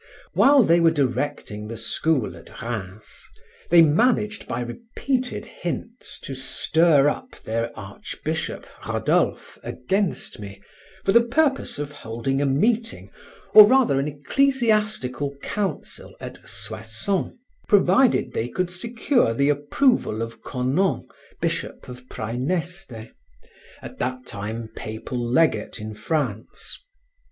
While they were directing the school at Rheims, they managed by repeated hints to stir up their archbishop, Rodolphe, against me, for the purpose of holding a meeting, or rather an ecclesiastical council, at Soissons, provided they could secure the approval of Conon, Bishop of Praeneste, at that time papal legate in France.